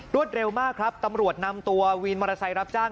เร็วมากครับตำรวจนำตัววินมอเตอร์ไซค์รับจ้าง